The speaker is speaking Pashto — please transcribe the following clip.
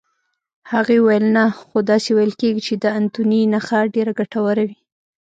هغې وویل: نه، خو داسې ویل کېږي چې د انتوني نخښه ډېره ګټوره وي.